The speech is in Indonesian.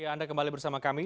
anda kembali bersama kami